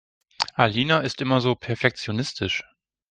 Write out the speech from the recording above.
Alina ist immer so perfektionistisch.